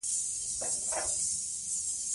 بامیان د افغان نجونو د پرمختګ لپاره فرصتونه برابروي.